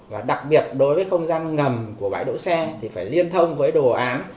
và đặc biệt đối với không gian ngầm của bãi đỗ xe thì phải liên thông với đồ án